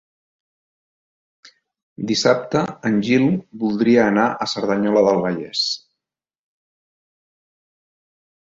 Dissabte en Gil voldria anar a Cerdanyola del Vallès.